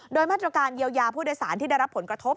โดยมาตรการเยียวยาผู้โดยสารที่ได้รับผลกระทบ